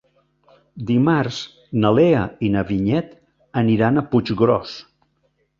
Dimarts na Lea i na Vinyet aniran a Puiggròs.